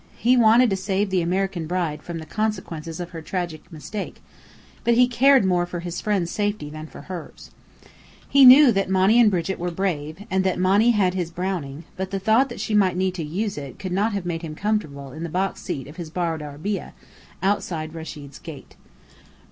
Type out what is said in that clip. He wanted to save the American bride from the consequences of her tragic mistake, but he cared more for his friends' safety than for hers. He knew that Monny and Brigit were brave, and that Monny had his Browning, but the thought that she might need to use it could not have made him comfortable on the box seat of his borrowed arabeah, outside Rechid's gate.